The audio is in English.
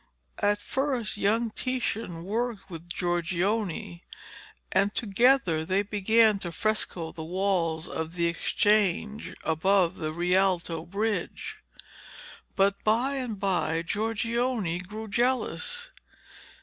At first young Titian worked with Giorgione, and together they began to fresco the walls of the Exchange above the Rialto bridge. But by and by Giorgione grew jealous.